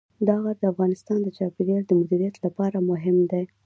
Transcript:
دا غر د افغانستان د چاپیریال د مدیریت لپاره مهم دی.